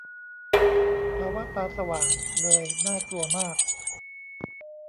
ภาวะ "ตาสว่าง" เลยน่ากลัวมาก